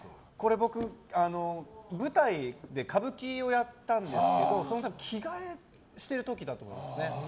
僕、舞台で歌舞伎をやったんですけどその時の着替えてる時だと思います。